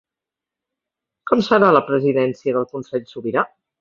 Com serà la presidència del Consell Sobirà?